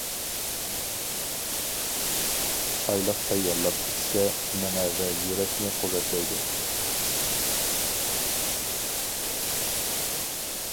چايلىق تەييارلاپ ئىچسە، مېڭە ۋە يۈرەكنى قۇۋۋەتلەيدۇ.